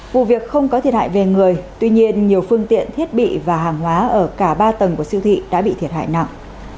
vụ việc không có thiệt hại về người tuy nhiên nhiều phương tiện thiết bị và hàng hóa ở cả ba tầng của siêu thị đã bị thiệt hại nặng